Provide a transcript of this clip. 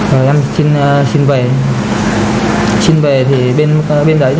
rồi em xin về xin về thì bên đấy ra giá đòi tới bốn đô